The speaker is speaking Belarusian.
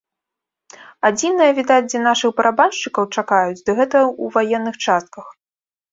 Адзінае, відаць, дзе нашых барабаншчыкаў чакаюць, дык гэта ў ваенных частках.